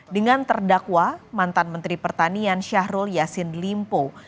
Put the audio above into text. dengan terdakwa mantan menteri pertanian syahrul yassin limpo